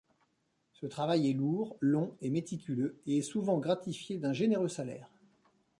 Ce travail est lourd, long et méticuleux, et est souvent gratifié d'un généreux salaire.